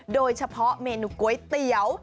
โดยเฉพาะเมนูก๋วยเตี๋ยว